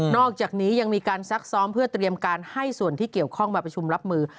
อกจากนี้ยังมีการซักซ้อมเพื่อเตรียมการให้ส่วนที่เกี่ยวข้องมาประชุมรับมือ